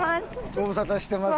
ご無沙汰してます。